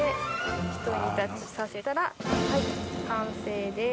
ひと煮立ちさせたら完成です。